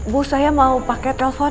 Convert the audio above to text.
bu saya mau pake telpon